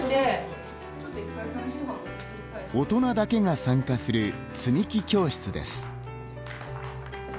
大人だけが参加する積み木教室です。